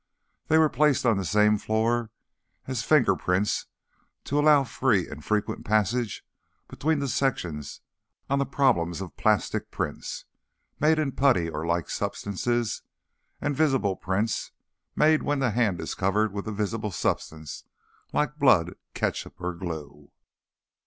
They were placed on the same floor as Fingerprints to allow free and frequent passage between the sections on the problems of plastic prints, made in putty or like substances, and visible prints, made when the hand is covered with a visible substance like blood, ketchup or glue.